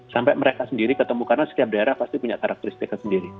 sampai mereka sendiri ketemu karena setiap daerah pasti punya karakteristiknya sendiri